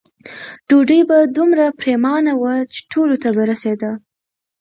ډوډۍ به دومره پریمانه وه چې ټولو ته به رسېده.